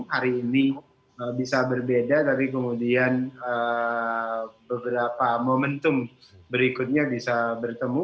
hari ini bisa berbeda tapi kemudian beberapa momentum berikutnya bisa bertemu